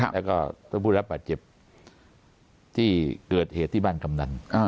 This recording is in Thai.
และก็ผู้รับปัจจิบที่เกิดเหตุที่บ้านกำหนัง